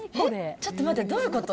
ちょっと待って、どういうこと？